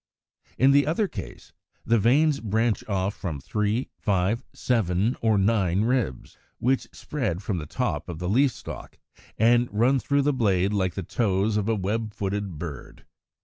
132. In the other case (as in Fig. 74, 129 132), the veins branch off from three, five, seven, or nine ribs, which spread from the top of the leaf stalk, and run through the blade like the toes of a web footed bird.